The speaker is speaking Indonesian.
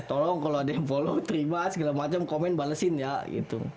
tolong kalau ada yang follow terima segala macam komen balesin ya gitu